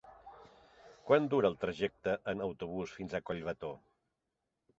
Quant dura el trajecte en autobús fins a Collbató?